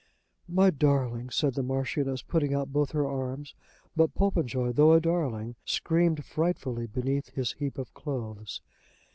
"My darling," said the Marchioness, putting out both her arms. But Popenjoy, though a darling, screamed frightfully beneath his heap of clothes.